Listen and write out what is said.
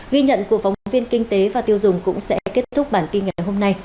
ghi nhận của phóng viên kinh tế và tiêu dùng cũng sẽ kết thúc bản tin ngày hôm nay